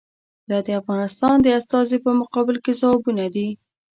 دا د افغانستان د استازي په مقابل کې ځوابونه دي.